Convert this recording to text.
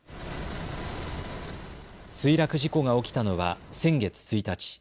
墜落事故が起きたのは先月１日。